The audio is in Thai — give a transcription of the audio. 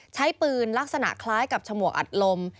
ใช้ปืนลักษณะคล้ายกับฉมวกอัดลม